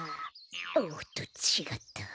おっとちがった。